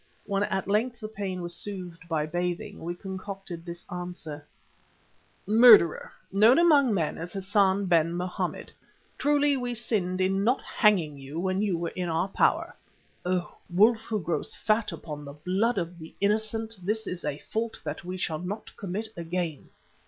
When at length the pain was soothed by bathing, we concocted this answer: "Murderer, known among men as Hassan ben Mohammed Truly we sinned in not hanging you when you were in our power. Oh! wolf who grows fat upon the blood of the innocent, this is a fault that we shall not commit again.